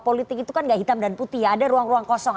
politik itu kan gak hitam dan putih ya ada ruang ruang kosong